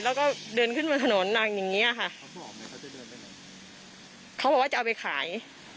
แล้วก็เดินขึ้นบนถนนหลังอย่างเงี้ยค่ะเขาบอกว่าจะเอาไปขาย